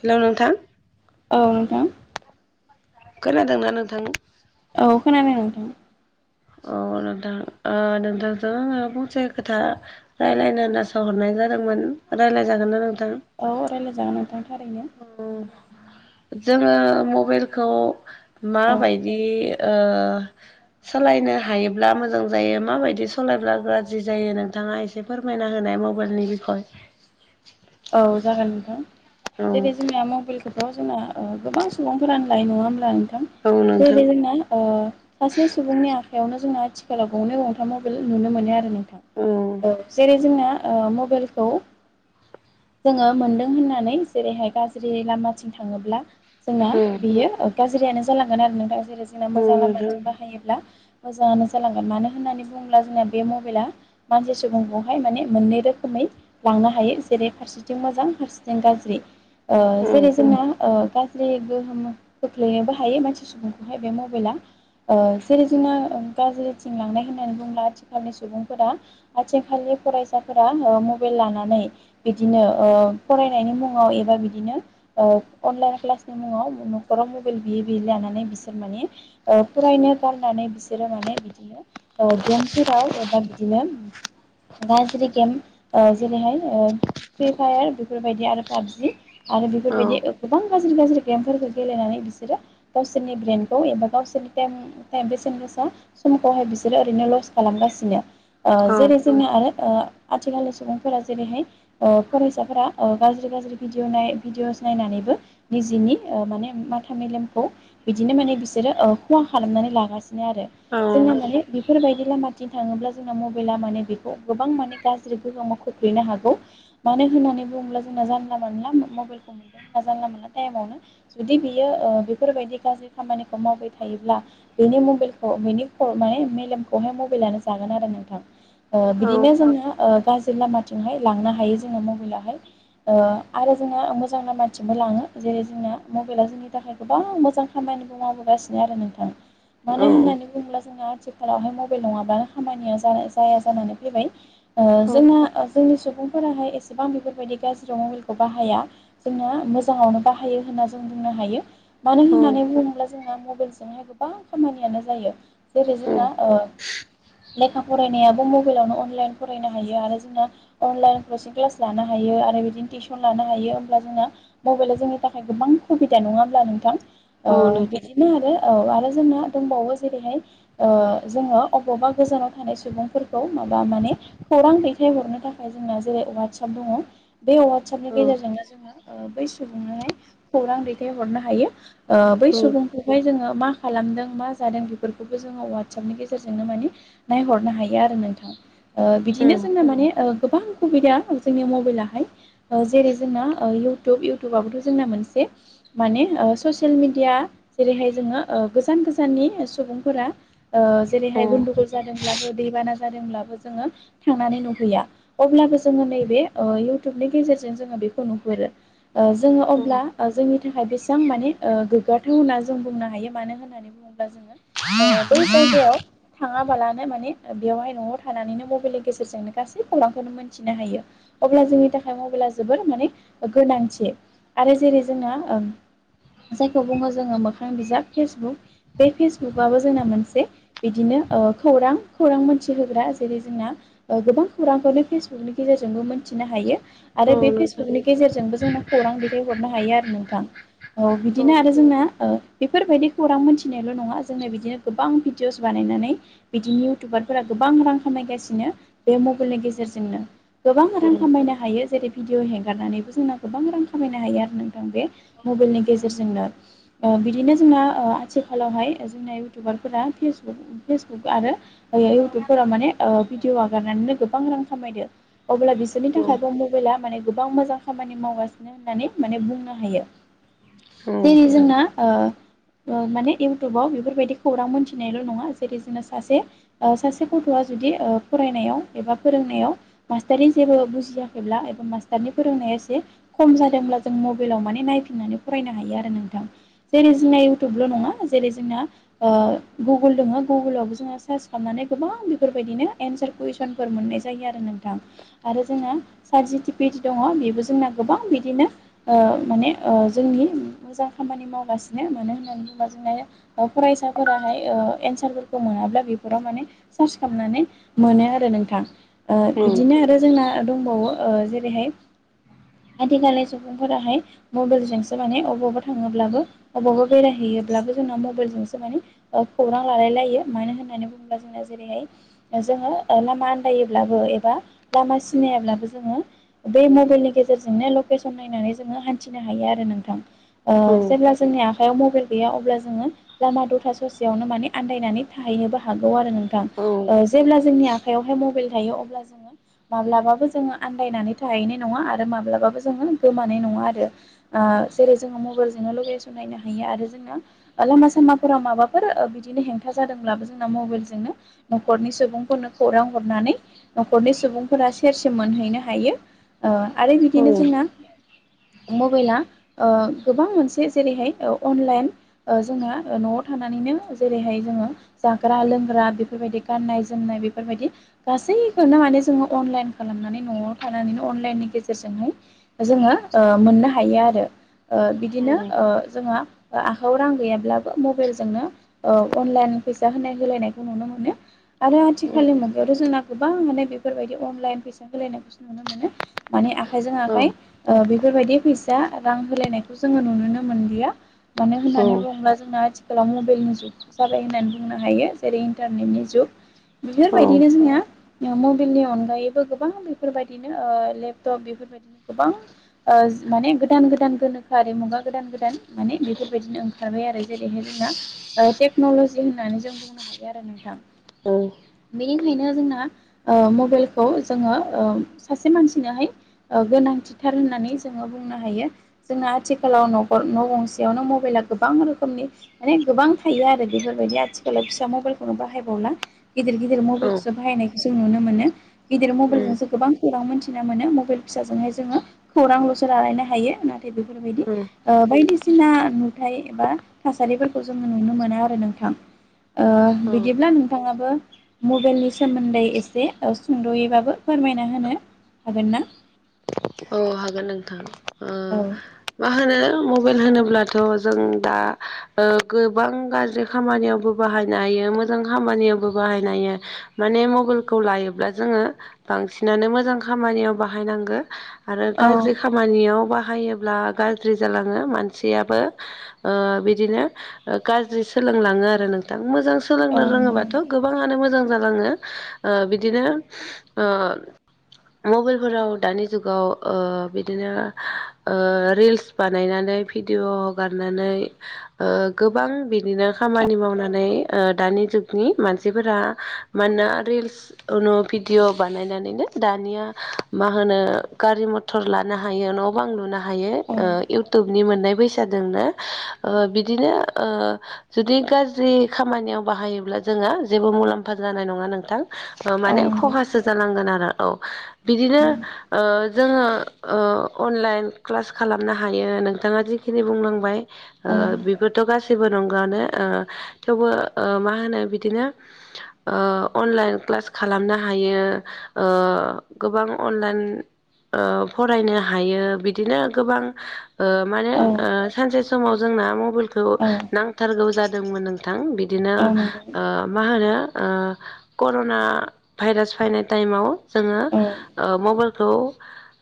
हेल' नोंथां? औ नोंथां? खोनादोंना नोंथां? औ खोनादों नोंथां अ नोंथां ओ नोंथांजों आङो फंसे खोथा रायलायनो होननासो हरनाय जादोंमोन। रायलाय जागोनना नोंथां? औ रायलायजागोन नोंथां थारैनो। अ' जोङो मबाइलखौ औ माबायदि ओ सालायनो हायोब्ला मोजां जायो, माबायदि सालायब्ला गाज्रि जायो नोंथाङा एसे फोरमायना होनाय मबाइलनि बिखय। औ जागोन नोंथां। औ जेरै जोंनिया मबाइलखो थ' जोंना ओ गोबां सुबुंफोरानो लायो नङा होमब्ला नोंथां। औ नोंथां जेरै जोंना ओ सासे सुबुंनि आखायावनो जोंना आथिखालाव गंनै गंथाम मबाइल नुनो मोनो आरो नों थां औ जेरै जोंना ओ मबाइलखौ‌ जोङो मोनदों होननानै जेरैहाय गाज्रि लामाथिं थाङोब्ला। जोंना औ बेयो ओ गाज्रियानो जालांगोन आरो नोंथां। जेरै जोंना औ मोजां नोंथां लामथिं बाहायोब्ला मोजाङानो जालांगोन मानो होननानै बुङोब्ला जोंना बे मबेला मानसि सुबुंखौहाय माने मोननै रोखोमै लांनो हायो। जेरै फारसेथिं मोजां फारसेथिं गाज्रि ओ औ जेरै जोंना ओ गाज्रि गोहोम खोख्लैनोबो हायो मानसि सुबुंखौहाय बे मबेला। ओ जेरै जोङो गाज्रिथिं लांनाय होननानै बुङोला आथिखालनि सुबुंफोरा आथिखालनि फरायसाफोरा ओ मबेल लानानै बिदिनो ओ फरायनायनि मुङाव एबा बिदिनो। ओ अनलाइन क्लासनि मुङाव न'खराव मबेल बियै बियै लानानै बिसोर माने ओ फरायनो गारनानै बिसोरो माने बिदिनो। औगियानफोराव एबा बिदिनो गाज्रि गेम ओ जेरैहाय ओ फ्रि फायार बेफोरबायदि आरो पाबजि आरो औ बेफोरबायदि ओ गोबां गाज्रि गाज्रि गेमफोरखौ गेलेनानै बिसोरो गावसोरनि ब्रेनखौ एबा गावसोरनि टायम टायम बेसेन गोसा समखौहाय बिसोरो ओरैनो लस खालामगासिनो। ओ औ जेरै जोंनि आरो ओ आथिखालनि सुबुंफोरा जेरै हाय ओ फरायसाफोरा ओ गाज्रि गाज्रि भिदिअ' भिदिअ'स‌ नायनानैबो निजिनि ओ माने माथा मेलेमखौ बिदिनो माने बिसोरो ओ खहा खालामनानै लागासिनो आरो। औ जोङो माने बेफोरबायदि लामाथिं थाङोब्ला जोंना मबेला माने बेखौ गोबां माने गाज्रि गोहोमाव खोख्लैनो हागौ। मानो होननानै बुङोब्ला जोंना जानला मानला मो मबेलखौ मोनदों होनना जानला मानला टाइमावनो जुदि बियो ओ बेफोर बायदि गाज्रि खामानिखौ मावबाय थायोब्ला। बेनि मबेलखौ बेनि ख माने मेलेमखौहाय मबेलानो जागोन आरो नोंथां। ओ बिदिनो जोंनो ओ गाज्रि लामाथिंहाय लांनो हायो जोङो मबेलाहाय ओ आरो जोंना मोजां लामाथिंबो लाङो जेरै जोंना मबाइला जों नि थाखाय गोबां मोजां खामानि मावगासिनो आरो नोंथांा मानो होननानै बुङोब्ला जों आथिखाल रावहाय मबाइल नङाबा खामानिया जानो जाया जानानै फैबाय ओ औ जोंना जोंनि सुबुंफोराहाय एसेबां बेफोरबायदि गाज्रि मबाइलखौ बाहाया। जोंना मोजाङावनो बाहायो होनना जों बुंनो हायो मानो होननानै बुङोब्ला जोंना मबाइल जोंहाय गोबां खामानियानो जायो जेरै औ औ जोंना ओ लेखा फरायनायाबो मबाइलावनो अनलाइन फरायनो हायो आरो जोंना अनलाइन कसिं क्लास लानो हायो आरो बिदिनो टिउसन लानो हायो। ओमब्ला जोंना मबेला जोंनि थाखाय गोबां खुबिदा नङा होब्ला नोंथां औ ओ नोंथां बिदिनो आरो। औ आरो जोंना दंबावो जेरैहाय। ओ जोङो अबावबा गोजानाव थानाय सुबुंफोरखौ माबा माने। खौरां दैथायहरनो थाखाय जोंना जेरै अ'वाट साप दङ। बे अ'वाट सापनि औ गेजेरजोंनो जोङो। ओ बै सुबुंनानै खौरां दैथायहरनो हायो। ओ बै औ सुबुंखौ फाय जोङो मा खालामदों मा जादों बेफोरखौबो जोङो अ'वाट सापनि गेजेरजोंनो माने नायहरनो हायो आरो नोंथां ओ औ बिदिनो जोंना माने ओ गोबां सुबुबिदा जोंनि मबाइलाहाय जेरै जोंना ओ इउटुब इउटुबाबोथ' जोंना मोनसे माने ओ ससियेल मेडिया जेरैहाय जोङो ओ गोजान गोजाननि सुबुंफोरा ओ औ जेरैहाय गुन्दुगल जादोंब्लाबो दैबाना जादोंब्लाबो जोङो थांनानै नुहैया अब्लाबो जोङो नैे बे ओ इउटुबनि गेजेरजों जोङो बेखौ नुहुरो ओ जोङो अब्ला ओ जोंनि थाखाय बेसेबां माने ओ गोग्गाथाव होन्ना जों बुंनो हायो मानो होननानै बुङोब्ला जोङो ओ बै जायगायाव थाङाबालानो माने बेवहाय न'आव थानानैनो मबाइलनि गेजेरजोंनो गासै खौरांखौनो मोनथिनो हायो। अब्ला जोंनि थाखाय मबाइला जोबोर माने गोनांथि आरो जेरै जोंना ओं जायखौ बुङो जोङो मोखां बिजाब फेसबुक बे फेसबुकआबो जोंना मोनसे बिदिनो ओ खौरां खौरां मोनथिहोग्रा जेरै जोंना ओ गोबां खौरांखौनो फेसबुकनि गेजेरजोंबो मोनथिनो हायो औ आरो बे नोंथां फेसबुकनि गेजेरजोंबो जोंना खौरां दैथायहरनो हायो आरो नोंथां औ बिदिनो आरो जोंना ओ बेफोरबायदि खौरां मोनथिनायल' नङा जोंनो बिदिनो गोबां भिडिअस बानायनानै बिदिनो इउटुबारफोरा गोबां रां खामायगासिनो बे मबाइलनि गेजेरजोंनो। गोबां रां खामायनो हायो जेरै भिडिअ' हेंगारनानैबो जोंना गोबां रां खामायनो हायो आरो नोंथां बे मबाइलनि गेजेरजोंनो। ओ बिदिनो जोंना ओ आथिखालावहाय जोंना इउटुबारफोरा फेसबुक फेसबुक आरो [inaudible] अब्ला बिसोरनि थाखायबो औ मबाइला माने गोबां मोजां खामानि मावगासिनो होननानै माने बुंनो हायो। जेरै जोंना ओ ओ माने इयउटुबाव बेफोरबायदि खौरां मोनथिनायल' नङा जेरै जोंना सासे ओ सासे गथ'आ जुदि ओ फरायनायाव एबा फोरोंनायाव मास्टारनि जेबो बुजियाखैब्ला एबा मास्टारनि फोरोंनाया एसे खम जादोंब्ला जों मबाइलाव माने नायफिननानै फरायनो हायो आरो नोंथां। जेरै जोंना इयउटुबल' नङा जेरै जोंना ओ गुगोल दङो गुगोलावबो जोङो सार्च खालामनानै गोबां बेफोरबायदिनो एनसार कुइसन भफानफोर मोननाय जायो आरो नों थां आरो जोंना साथ जिटिपिड दङ बेबो जोंना गोबां बिदिनो ओ माने ओ जोंनि मोजां खामानि मावगासिनो मानो होननानै बुंब्ला जोंना फरायसाफोराहाय ओ एन्सारफोरखौ मोनाब्ला बेफोराव माने सार्च खालामनानै मोनो आरो नोंथां। ओ बिदिनो आरो जोंना दंबावो ओ जेरैहाय आथिखालनि सुबुंफोराहाय मबाइलजोंसो माने अबावबा थाङोब्लाबो अबावबा बेरायहैयोब्लाबो जोंनाव मबाइलजोंसो माने ओ खौरां लालाय लायो मानो होननानै बुङोब्ला जोंना जेरैहाय जोङो ओ लामा आन्दायोब्लाबो एबा लामा सिनायाब्लाबो जोङो बे मबेलनि गेजेरजोंनो लकेसन नायनानै जोङो हान्थिनो हायो आरो नोंथां ओ जेब्ला जोंनि आखायाव मबाइल गैया अब्ला जोङो लामा दथा ससेयावनो माने आन्दायनानै थाहैनोबो हागौ आरो नों थां ओ जेब्ला जोंनि आखयावहाय मबाइल थायो अब्ला जोङो माब्लाबाबो जोङो आन्दायनानै थाहैनाय नङा आरो माब्लाबाबो जोङो गोमानाय नङा आरो। ओ जेरै जोङो मबाइलजोंनो लकेसन नायनो हायो आरो जोंनो लामा सामाफोराव माबाफोर बिदिनो हेंथा जादोंब्लाबो जोंना मबाइलजोंनो न'खरनि सुबुंफोरनो खौरां हरनानै न'खरनि सुबुंफोरा सेरसे मोनहैनो हायो ओ आरो बिदिनो जोंना मबाइला ओ गोबां मोनसे जेरैहाय अनलाइन ओ जोंना ओ न'आव थानानैनो जेरैहाय जोङो जाग्रा लोंग्रा बेफोरबायदि गाननाय जोमनाय बेफोरबायदि गासै खौनो माने जोङो अनलाइन खालामनानै न'आव थानानैनो अनलाइननि गेजेरजोंहाय जोङो ओ मोननो हायो आरो ओ बिदिनो ओ जोहा आखाइायाव रां गैयाब्लाबो मबाइलजोंनो ओ अनलाइन फैसा होनाय होलायनायखौ नुनो मोनो। आरो आथिखालनि मुगायावथ' जोंना गोबां माने बेफोरबायदि अनलाइन फैसा होलायनायखौ नुनो मोनो। माने आखाइजों आखाइ ओ बेफोरबायदि फैसा रां होलायनायखौ जोङो नुुनो मोनलिया मानो होननानै बुङोब्ला जोंना आथिखालाव मबाइलनि जुग जाबाय होननानै बुंनो हायो जेरै इन्टारनेटनि जुग। बेफोरबायदिनो जोंनिया मबिलनि अनगायैबो गोबां बेफोरबायदिनो ओ लेपटप बेफोरबायदिनो गोबां ओ माने गोदान गोदान गोनोखोआरि मुगा गोदान गोदान माने बेफोरबायदिनो ओं खारबाय आरो जेरैहाय जोंना ओ टेक्न'ल'जि होननानै जों बुंनो हायो आरो नोंथां। बेनिखायनो जोंना ओ मबाइलखौ जोङो ओ सासे मानसिनोहाय ओ गोनांथिथार होननानै जोङो बुंनो हायो। जोंना आथिखालाव न'खर न' गंसेयावनो मबाइला गोबां रोखोमनि माने गोबां थायो आरो बेफोरबायदि आथिखालाव फिसा मबाइलखौनो बाहायबावला गिदिर गि दिर मबाइलखौसो बाहायनायखौ जों नुनो मोनो। गिदिर मबाइलजोंसो गोबां खौरां मोनथिनो मोनो मबाइल फिसाजोंहाय जोङो खौरांल'सो लालायनो हायो नाथाय औ बेफोरबायदि ओ बायदिसिना नुथाय एबा थासारिफोरखौ जोङो नुनो मोनो आरो नोंथां। ओ औ औ बिदिब्ला नोंथाङाबो मबाइलनि सोमोन्दै एसे सुंद'यैबाबो फोरमायना होनो हागोन ना? औ हागोन नोंथां ओ औ मा होनो मबाइल होनोब्लाथ' जों दा ओ गोबां गाज्रि खामानियावबो बाहायनो हायो मोजां खामानियावबो बाहायनो हायो। माने मबाइलखौ लायोब्ला जोङो बांसिनानो मोजां खामानियाव बाहायनांगो। आरो औ गाज्रि खामानियाव बाहायोब्ला गाज्रि जालाङो मानसियाबो। ओ बिदिनो गाज्रि सोलोंलाङो आरो नोंथां मोजां सोलोंनो नंगौ रोङोबाथ' गोबाङानो मोजां जालाङो ओ बिदिनो ओ मबाइलफोराव दानि जुगाव ओ बिदिनो रिल्स बानायनानै भिडिअ हगारनानै ओ गोबां बिदिनो खामानि मावनानै ओ दानि जुगनि मानसिफोरा मानोना रिल्स उनु भिडिअ बानायनानैनो दानिया मा होनो गारि मथर लानो हायो न' बां लुनो हायो ओ इउटुब नि मोननाय फैसादोंना ओ बिदिनो ओ जुदि गाज्रि खामानियाव बाहायोब्ला जोंहा जेबो मुलाम्फा जानाय नङा नोंथां। औ माने नंगौ खहासो जानांगोन आरो औ बिदिनो ओ जोङो ओ अनलाइन क्लास खालामनो हायो नोंथाङा जिखिनि बुंलांबाय। ओ औ बिफोर थ' गासैबो नंगौआनो ओ थेवबो मा होनो बिदिनो ओ अनलाइन क्लास खालामनो हायो। ओ गोबां अनलाइन ओ फरायनो हायो बिदिनो गोबां ओ माने औ ओ सानसे समाव जोंना मबाइलखौ औ नांथारगौ जादोंमोन नोंथां बिदिनो- औ नंगौ ओ मा होनो ओ कर'ना भाइरास फायनाय टाइमाव जोङो औ ओ मबाइलखौ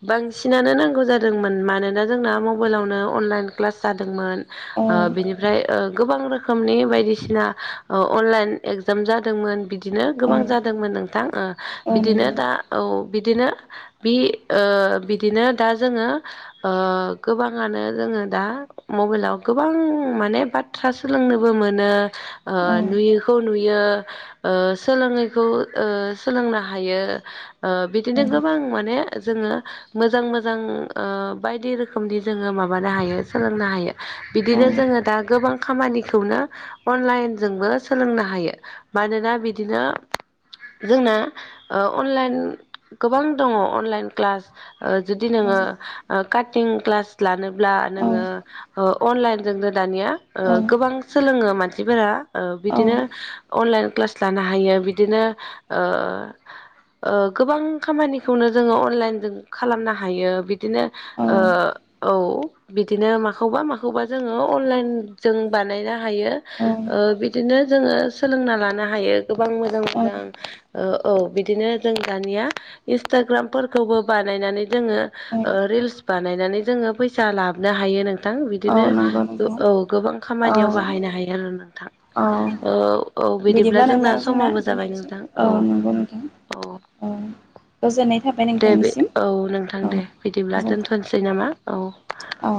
बांसिनानो नांगौ जादोंमोन मानोना जोंना मबाइलावनो अनलाइन क्लास जादोंमोन। औ नंगौ औ ओ बिनिफ्राय ओ गोबां रोखोमनि बायदिसिना ओ अनलाइन एगजाम जादोंमोन बि बिदिनो औ गोबां जादोंमोन नोंथां ओ औ बिदिनो दा औ बिदिनो बि ओ बिदिनो दा जोङो ओ गोबाङानो जोङो दा मबाइलाव गोबां माने बाथ्रा सोलोंनोबो मोनो ओ नुयोखौ नुयो ओ सोलोङैखौ ओ सोलोंनो हायो। ओ बिदिनो गोबां माने जोङो मोजां-मोजां ओ बायदि रोखोमनि जोङो माबानो हायो सोलोंनो हायो! बिदिनो जोङो दा गोबां खामानिखौनो अनलाइनजोंबो सोलोंनो हायो। मानोना बिदिनो। जोंना अनलाइन गोबां दङ अनलाइन। क्लास जुदि नोङो ओ काटिं क्लास लानोब्ला नोङो ओ - अनलाइनजोंनो दानिया गोबां। सोलोङो मानसिफोरा ओ बिदिनो अनलाइन क्लास लानो हायो बिदिनो। ओ ओ गोबां खामानिखौनो जोङो अन- अनलाइन जों खालामनो हायो बिदिनो। ओ औ बिदिनो माखौबा-माखौबा जोङो अनलाइन। जों बानायनो हायो ओ बिदिनो जोङो सोलोंना लानो हायो। गोबां मोजां-मोजां ओ औ बिदिनो जों दानिया इन्सटाग्राम। फोरबोखौ बानायनानै जोङो रिलस बानायनानै जोङो फैसा लाबोननो हायो नों- थां बिदिनो नंगौ नंगौ औ गोबां औ खामानियाव बाहायनो हायो आरो नोंथां। औ औ औ बिदिब्ला नोंथां जोंना समाबो जाबाय दोननायसै नोंथां औ नंगौ नोंथां। औ अ गोजोननाय था दे बे औ नोंथां दे बिदिब्ला गोजोन्थों दोनथ'नोसै नामा औ। औ।